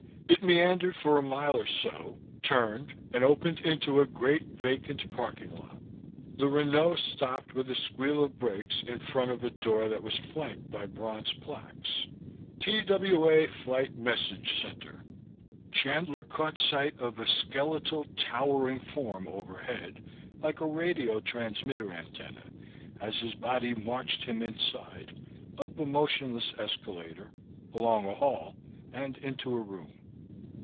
It meandered for a mile or so, turned and opened into a great vacant parking lot. The Renault stopped with a squeal of brakes in front of a door that was flanked by bronze plaques: TWA Flight Message Center. Chandler caught sight of a skeletal towering form overhead, like a radio transmitter antenna, as his body marched him inside, up a motionless escalator, along a hall and into a room.